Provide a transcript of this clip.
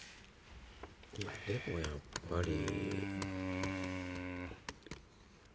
でもやっぱり。